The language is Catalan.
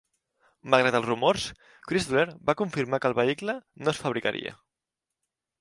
Malgrat els rumors, Chrysler va confirmar que el vehicle no es fabricaria.